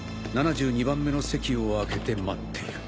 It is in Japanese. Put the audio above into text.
７２番目の席を空けて待っている」。